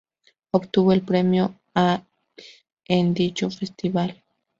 Obtuvo el premio al en dicho festival.